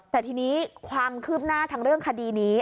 แต่ทีนี้ความคืบหน้าทางเรื่องคดีนี้